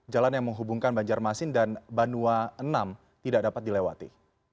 jalan yang menghubungkan banjarmasin dan banua enam tidak dapat dilewati